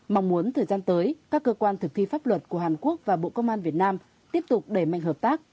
mong muốn thời gian tới các cơ quan thực thi pháp luật của hàn quốc và bộ công an việt nam tiếp tục đẩy mạnh hợp tác